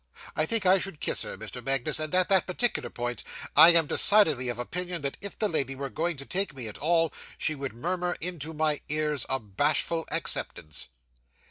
I think I should kiss her, Mr. Magnus; and at this particular point, I am decidedly of opinion that if the lady were going to take me at all, she would murmur into my ears a bashful acceptance.